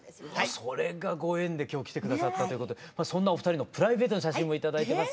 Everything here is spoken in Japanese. それがご縁で今日来て下さったということでそんなお二人のプライベートの写真を頂いてます。